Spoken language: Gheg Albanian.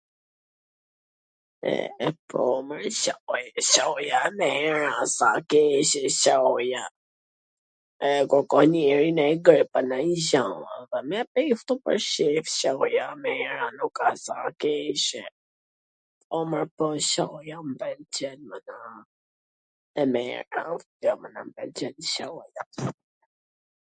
E po, mor, Coja e mir a, s a e kee Coja, e ku ko njerin egwr ... me pi ... Coja, jo e mri asht, nuk a se a e keqe, po, mor, po, Coja m pwlqen, mana,